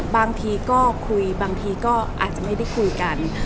บางทีก็คุยบางทีก็อาจจะไม่ได้คุยกัน